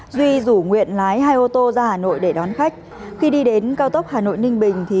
duy rủ nguyện lái hai ô tô ra hà nội để đón khách khi đi đến cao tốc hà nội ninh bình